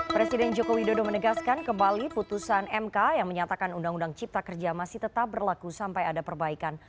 presiden joko widodo menegaskan kembali putusan mk yang menyatakan undang undang cipta kerja masih tetap berlaku sampai ada perbaikan